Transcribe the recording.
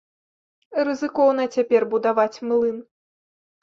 Рызыкоўна цяпер будаваць млын.